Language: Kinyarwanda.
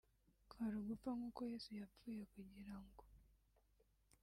kwari ugupfa nk’uko na Yesu yapfuye kugira ngo